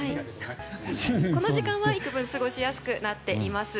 この時間は幾分過ごしやすくなっています。